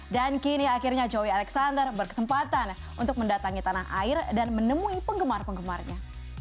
dan kini akhirnya joey alexander berkesempatan untuk mendatangi tanah air dan menemui penggemar penggemarnya